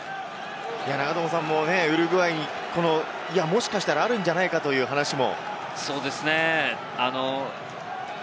ウルグアイ、もしかしたらあるんじゃないかという話も。